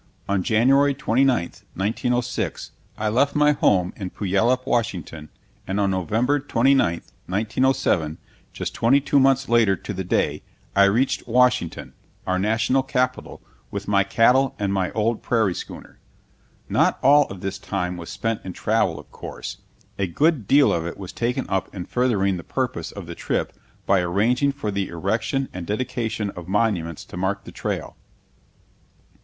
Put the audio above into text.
On January 29, 1906, I left my home in Puyallup, Washington, and on November 29, 1907, just twenty two months later to the day, I reached Washington, our national capital, with my cattle and my old prairie schooner. Not all of this time was spent in travel, of course; a good deal of it was taken up in furthering the purpose of the trip by arranging for the erection and dedication of monuments to mark the Trail.